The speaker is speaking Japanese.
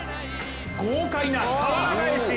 豪快な俵返し